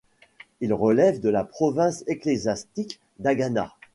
Il relève de la province ecclésiastique d'Agana.